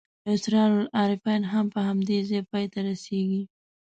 اسرار العارفین هم په همدې ځای پای ته رسېږي.